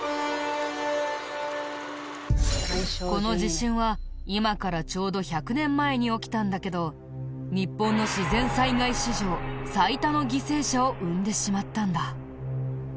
この地震は今からちょうど１００年前に起きたんだけど日本の自然災害史上最多の犠牲者を生んでしまったんだ。